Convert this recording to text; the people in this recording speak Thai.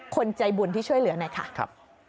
คนใจบุญที่ช่วยเหลือหน่อยค่ะ